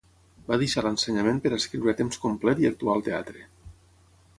Va deixar l'ensenyament per escriure a temps complet i actuar al teatre.